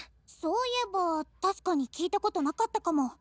「そういえば確かに聞いたことなかったかも」。